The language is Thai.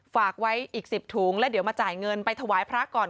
ฝากไว้อีก๑๐ถุงแล้วเดี๋ยวมาจ่ายเงินไปถวายพระก่อน